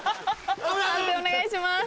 判定お願いします。